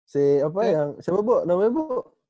si apa yang siapa bu namanya bu